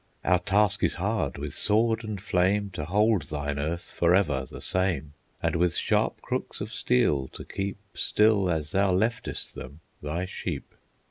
"Our task is hard—with sword and flame, To hold thine earth forever the same, And with sharp crooks of steel to keep, Still as thou leftest them, thy sheep."